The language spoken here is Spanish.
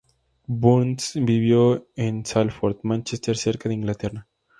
Burns vivió en Salford, Mánchester cerca de, Inglaterra.